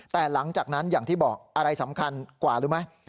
แต่หลังจากนั้นอย่างที่บอกอะไรสำคัญกว่ารู้ไหม